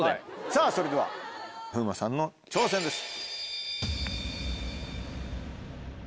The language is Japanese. さぁそれでは風磨さんの挑戦です。